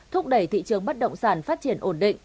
thúc đẩy thị trường bất động sản phát triển ổn định